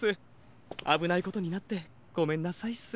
あぶないことになってごめんなさいっす。